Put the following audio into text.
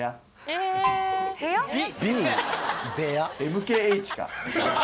ＭＫＨか。